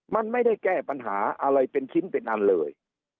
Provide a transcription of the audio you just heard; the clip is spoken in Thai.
มันไม่ได้แก้ปัญหาอะไรเป็นชิ้นเป็นอันเลย